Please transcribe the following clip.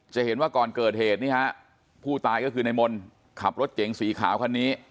จะเห็นว่าก่อนเกิดเหตุนี่ฮะผู้ตายก็คือในมนต์ขับรถเก๋งสีขาวคันนี้